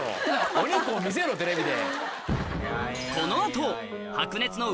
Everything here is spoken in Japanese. お肉を見せろテレビで！